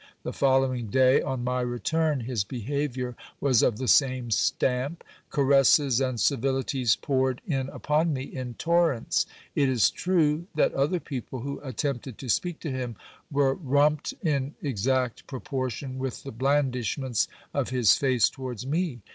The following day, on my return, his behaviour was of the same stamp ; caresses and civilities poured in upon me in torrents. It is true that other people who attempted to speak to him, were ramped in exact proportion with the blandishments of his face towards me.